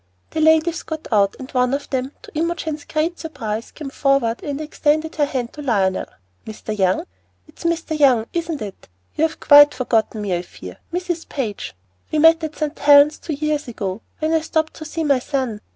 The ladies got out, and one of them, to Imogen's great surprise, came forward and extended her hand to Lionel. "Mr. Young, it is Mr. Young, isn't it? You've quite forgotten me, I fear, Mrs. Page. We met at St. Helen's two years ago when I stopped to see my son.